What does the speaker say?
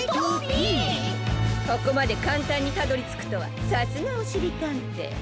ここまでかんたんにたどりつくとはさすがおしりたんてい！